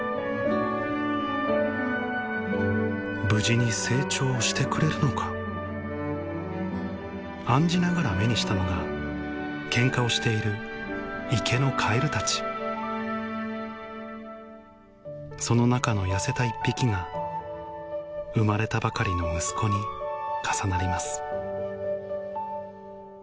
無事に成長してくれるのか案じながら目にしたのがケンカをしている池のカエルたちその中の痩せた１匹が生まれたばかりの息子に重なります